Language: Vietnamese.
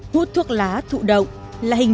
hút thuốc lá thụ động